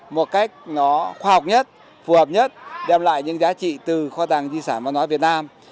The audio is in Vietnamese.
một cách nó khoa học nhất phù hợp nhất đem lại những giá trị từ khoa tàng di sản và nói việt nam